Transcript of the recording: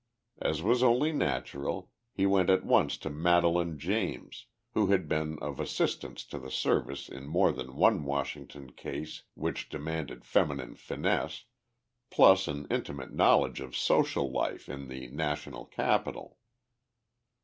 As was only natural, he went at once to Madelaine James, who had been of assistance to the Service in more than one Washington case which demanded feminine finesse, plus an intimate knowledge of social life in the national capital.